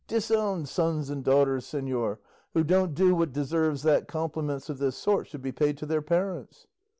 Disown sons and daughters, señor, who don't do what deserves that compliments of this sort should be paid to their parents."